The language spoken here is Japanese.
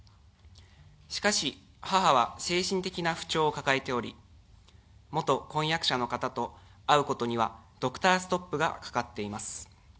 しかし、母は精神的な不調を抱えており、元婚約者の方と会うことにはドクターストップがかかっています。